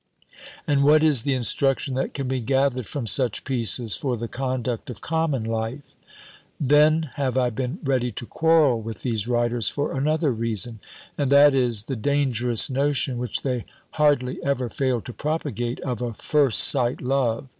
And what is the instruction that can be gathered from such pieces, for the conduct of common life? "Then have I been ready to quarrel with these writers for another reason; and that is, the dangerous notion which they hardly ever fail to propagate, of a first sight love.